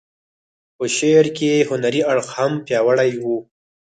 په شعر کې یې هنري اړخ هم پیاوړی و.